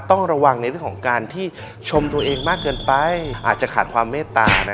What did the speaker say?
ต้องระวังในเรื่องของการที่ชมตัวเองมากเกินไปอาจจะขาดความเมตตา